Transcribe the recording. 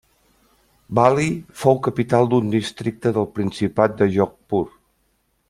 Bali fou capital d'un districte del principat de Jodhpur.